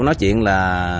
nói chuyện là